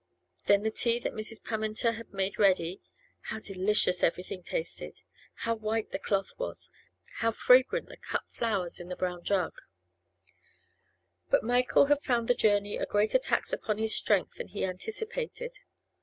Then the tea that Mrs. Pammenter had made ready;—how delicious everything tasted! how white the cloth was! how fragrant the cut flowers in the brown jug! But Michael had found the journey a greater tax upon his strength than he anticipated.